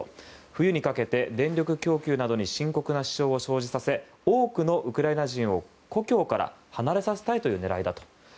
冬にかけて電力供給などに深刻な支障を生じさせ多くのウクライナ人を故郷から離れさせたいという狙いだと。